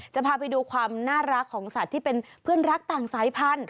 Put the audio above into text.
จะพาไปดูความน่ารักของสัตว์ที่เป็นเพื่อนรักต่างสายพันธุ